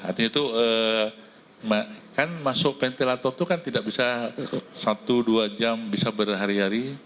artinya itu kan masuk ventilator itu kan tidak bisa satu dua jam bisa berhari hari